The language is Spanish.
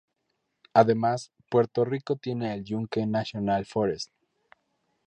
Además, Puerto Rico tiene El Yunque National Forest.